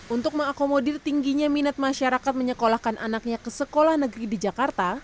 untuk mengakomodir tingginya minat masyarakat menyekolahkan anaknya ke sekolah negeri di jakarta